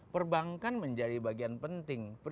perbankan menjadi bagian penting